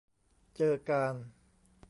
เจอกาน